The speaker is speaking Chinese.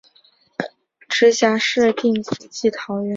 直辖市定古迹桃园景福宫分灵自此。